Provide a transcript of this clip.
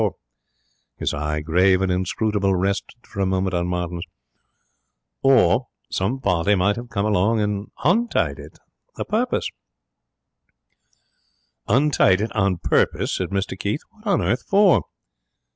Or' his eye, grave and inscrutable, rested for a moment on Martin's 'some party might 'ave come along and huntied it a puppus.' 'Untied it on purpose?' said Mr Keith. 'What on earth for?'